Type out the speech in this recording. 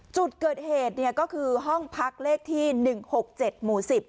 จุดเกิดเหตุก็คือห้องพักเลขที่๑๖๗หมู่๑๐